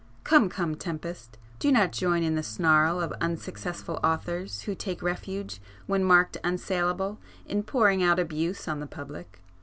Come, come Tempest,—do not join in the snarl of unsuccessful authors who take refuge, when marked unsaleable, in pouring out abuse on the public.